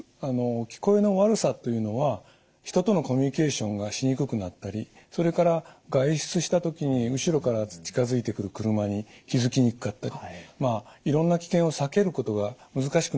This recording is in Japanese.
聞こえの悪さというのは人とのコミュニケーションがしにくくなったりそれから外出した時に後ろから近づいてくる車に気付きにくかったりまあいろんな危険を避けることが難しくなったりする。